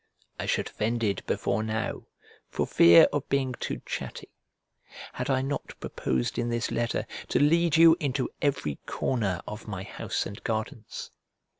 I should have ended before now, for fear of being too chatty, had I not proposed in this letter to lead you into every corner of my house and gardens.